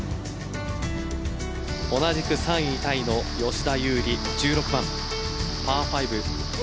同じく３位タイの吉田優利１６番パー５。